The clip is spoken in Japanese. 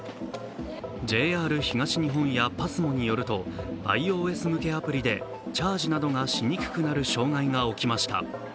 ＪＲ東日本やＰＡＳＭＯによるとｉＯＳ向けアプリでチャージなどがしにくくなる障害が起きました。